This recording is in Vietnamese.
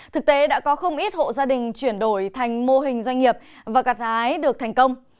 thực tế đã có không ít hộ gia đình chuyển đổi thành mô hình doanh nghiệp và gặt hái được thành công